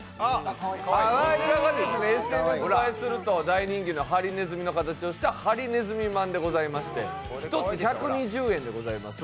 ＳＮＳ映えすると大人気のハリネズミの形をしたハリネズミまんでして１つ１２０円でございます。